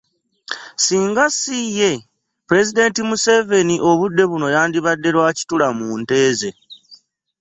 Singa si ye, pulezidenti Museveni obudde buno yandibadde Lwakitura mu nte ze